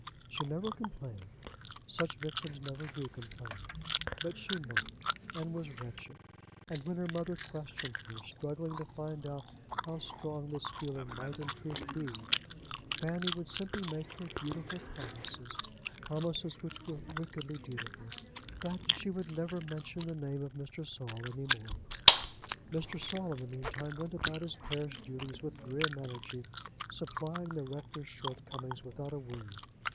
She never complained. Such victims never do complain. But she moped and was wretched, and when her mother questioned her, struggling to find out how strong this feeling might in truth be, Fanny would simply make her dutiful promises, promises which were wickedly dutiful, that she would never mention the name of Mr. Saul any more. Mr. Saul in the meantime went about his parish duties with grim energy, supplying the rector's shortcomings without a word.